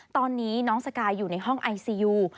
ตอนนี้น้องสกายอยู่ในห้องไอซียู